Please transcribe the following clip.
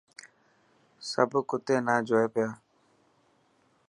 سڀ ڪوتي نا جوئي پيا.